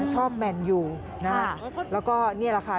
ชอบแมนยูแล้วก็นี่แหละค่ะ